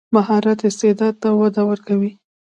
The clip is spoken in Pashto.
مهارت استعداد ته وده ورکوي.